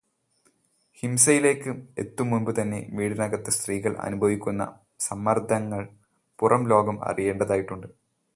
ഹിംസയിലേക്ക് എത്തും മുൻപുതന്നെ വീടിനകത്ത് സ്ത്രീകൾ അനുഭവിക്കുന്ന സമ്മർദങ്ങൾ പുറം ലോകം അറിയേണ്ടതായുണ്ട്.